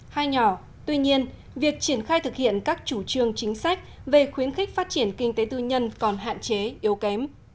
hai nhỏ tuy nhiên việc triển khai thực hiện các chủ trương chính sách về khuyến khích phát triển kinh tế tư nhân còn hạn chế yếu kém